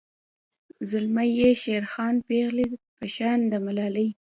زلمي یی شیرخان پیغلۍ په شان د ملالۍ